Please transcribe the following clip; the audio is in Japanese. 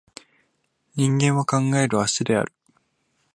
人間は考える葦である